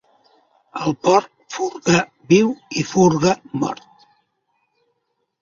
El porc furga viu i furga mort.